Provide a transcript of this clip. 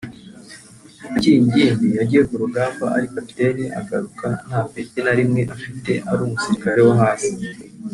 Akiri ingimbi yagiye ku rugamba ari kapiteni agaruka nta peti na rimwe afite ari umusirikari wo hasi